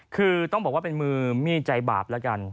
คือต้องบอกว่าเป็นมือมีดใจบาปแล้วกัน